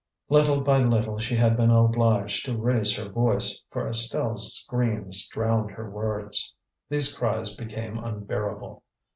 Little by little she had been obliged to raise her voice, for Estelle's screams drowned her words. These cries became unbearable.